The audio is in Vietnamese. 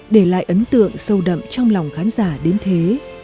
để lại ấn tượng sâu đậm trong lòng khán giả đến thế